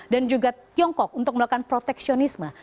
dan juga tiongkok untuk melakukan proteksionisme